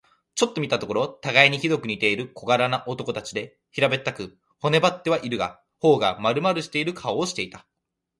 ちょっと見たところ、たがいにひどく似ている小柄な男たちで、平べったく、骨ばってはいるが、頬がまるまるしている顔をしていた。